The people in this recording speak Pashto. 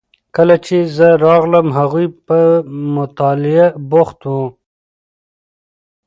کله چې زه راغلم هغوی په مطالعه بوخت وو.